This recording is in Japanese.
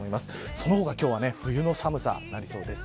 その他、今日は冬の寒さとなりそうです。